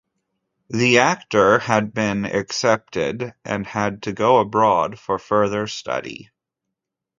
The actor had been accepted and had to go abroad for further study.